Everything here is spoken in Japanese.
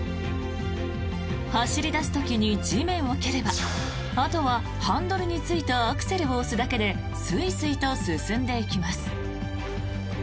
走り出す時に地面を蹴ればあとはハンドルについたアクセルを押すだけでスイスイと進んでいきます。